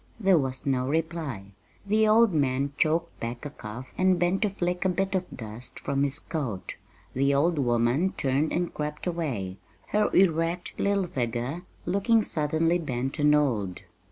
There was no reply. The old man choked back a cough and bent to flick a bit of dust from his coat. The old woman turned and crept away, her erect little figure looking suddenly bent and old.